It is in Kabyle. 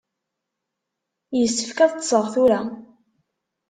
Yessefk ad ṭṭseɣ tura.